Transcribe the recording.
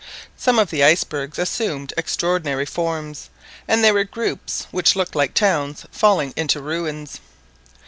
Some of the icebergs assumed extraordinary forms, and there were groups which looked like towns falling into ruins.